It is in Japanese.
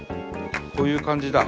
こういう感じだ。